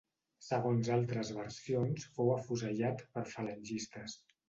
Segons altres versions fou afusellat per falangistes.